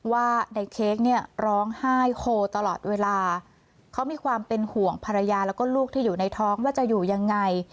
ว่าในเค้กเนี่ยร้องไห้โฮตลอดเวลาเขามีความเป็นห่วงภรรยาแล้วก็ลูกที่อยู่ในท้องว่าจะอยู่ยังไง